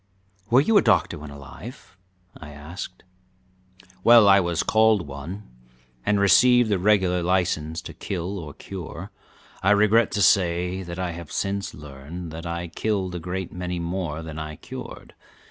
"Were you a doctor when alive?" I asked. "Well, I was called one, and received the regular license to kill or cure. I regret to say that I have since learned that I killed a great many more than I cured.